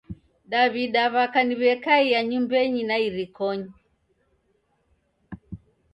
Daw'ida w'aka ni w'ekaiya nyumbenyi na irikonyi.